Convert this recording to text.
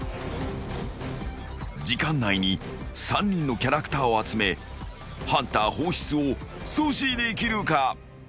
［時間内に３人のキャラクターを集めハンター放出を阻止できるか？］